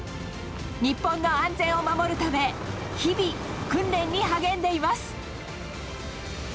日本の安全を守るため、日々訓練に励んでいます。